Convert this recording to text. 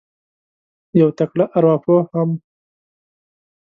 یو تکړه اروا پوه هم